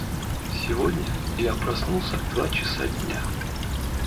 Сегодня я проснулся в два часа дня.